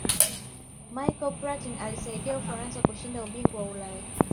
michael platin aliisaidia ufaransa kushinda ubingwa wa ulaya